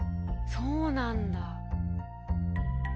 そうなんだ。